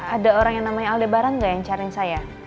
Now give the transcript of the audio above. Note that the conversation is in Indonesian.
ada orang yang namanya aldebaran gak yang cari saya